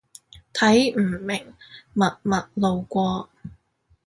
睇唔明，默默路過